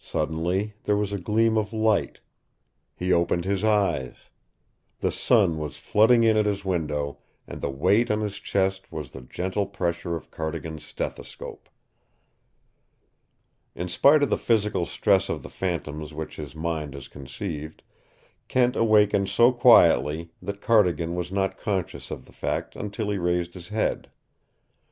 Suddenly there was a gleam of light. He opened his eyes. The sun was flooding in at his window, and the weight on his chest was the gentle pressure of Cardigan's stethoscope. In spite of the physical stress of the phantoms which his mind has conceived, Kent awakened so quietly that Cardigan was not conscious of the fact until he raised his head.